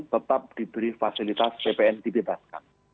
tetap diberi fasilitas ppn dibebaskan